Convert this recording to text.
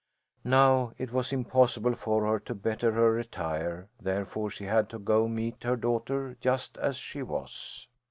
Now it was impossible for her to better her attire, therefore she had to go meet her daughter just as she was.